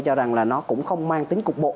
cho rằng là nó cũng không mang tính cục bộ